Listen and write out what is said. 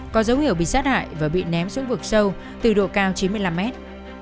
có dấu hiệu bị sát hại và bị ném xuống vực sâu từ độ cao chín mươi năm mét